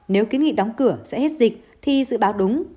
nếu kiến nghị đóng cửa sẽ hết dịch thì dự báo đúng